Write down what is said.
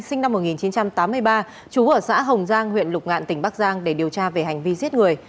sinh năm một nghìn chín trăm tám mươi ba chú ở xã hồng giang huyện lục ngạn tỉnh bắc giang để điều tra về hành vi giết người